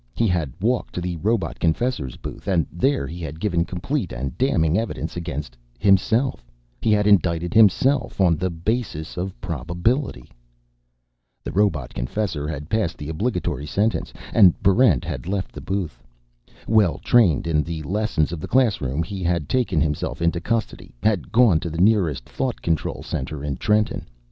He had walked to the robot confessor's booth, and there he had given complete and damning evidence against himself, had indicted himself on the basis of probability. The robot confessor had passed the obligatory sentence and Barrent had left the booth. Well trained in the lessons of the classroom, he had taken himself into custody, had gone to the nearest thought control center in Trenton.